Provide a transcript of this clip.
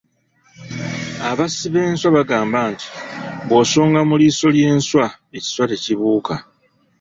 "Abassi b’enswa bagamba nti bw’osonga mu liiso ly’enswa, ekiswa tekibuuka."